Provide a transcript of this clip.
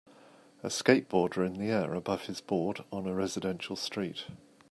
A skateboarder in the air above his board on a residential street.